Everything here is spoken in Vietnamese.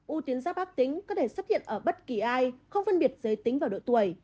u tuyến giáp ác tính có thể xuất hiện ở bất kỳ ai không phân biệt giới tính và độ tuổi